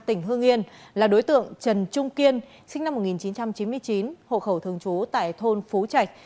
tỉnh hương yên là đối tượng trần trung kiên sinh năm một nghìn chín trăm chín mươi chín hộ khẩu thường trú tại thôn phú trạch